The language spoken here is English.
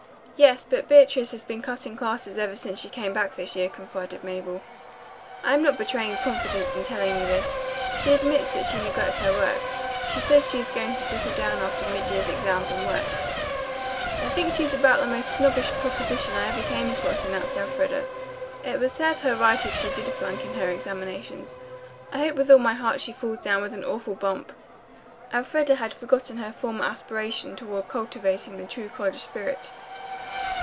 "Yes, but Beatrice has been cutting classes ever since she came back this year," confided Mabel. "I am not betraying a confidence in telling you this. She admits that she neglects her work. She says she is going to settle down after mid year's exams and work." "I think she's about the most snobbish proposition I ever came across," announced Elfreda. "It would serve her right if she did flunk in her examinations. I hope with all my heart she falls down with an awful bump." Elfreda had forgotten her former aspirations toward cultivating the true college spirit.